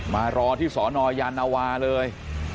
มารอที่สนยานวาเลย